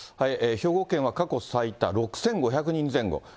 兵庫県は過去最多６５００人前後。